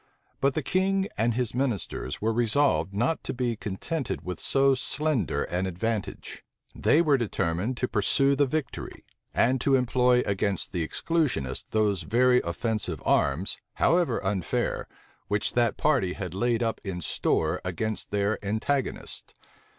But the king and his ministers were resolved not to be contented with so slender an advantage. They were determined to pursue the victory, and to employ against the exclusionists those very offensive arms, however unfair, which that party had laid up in store against their antagonists.